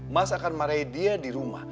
mas akan marahi dia di rumah